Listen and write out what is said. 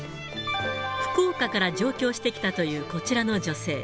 福岡から上京してきたというこちらの女性。